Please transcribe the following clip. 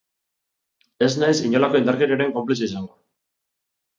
Ez naiz inolako indarkeriaren konplize izango.